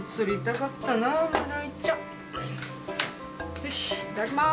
よしいただきます！